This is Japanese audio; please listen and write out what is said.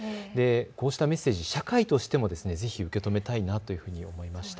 こうしたメッセージ、社会としてもぜひ受け止めたいなと思いました。